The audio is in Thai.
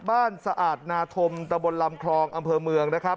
บ้านสะอาดนาธมตะบลลำคลองอำเภอเมือง